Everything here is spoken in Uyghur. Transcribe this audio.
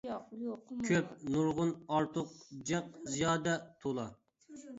كۆپ، نۇرغۇن، ئارتۇق، جىق، زىيادە، تولا.